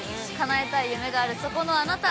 叶えたい夢があるそこのあなた！